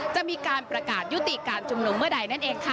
จะมีการประกาศยุติการชุมนุมเมื่อใดนั่นเองค่ะ